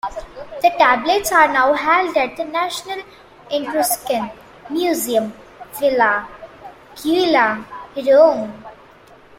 The tablets are now held at the National Etruscan Museum, Villa Giulia, Rome.